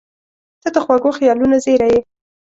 • ته د خوږو خیالونو زېری یې.